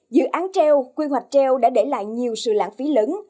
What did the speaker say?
dự án treo quy hoạch treo đã để lại nhiều sự lãng phí lớn